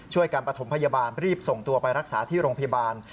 การประถมพยาบาลรีบส่งตัวไปรักษาที่โรงพยาบาล